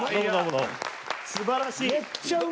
すばらしい。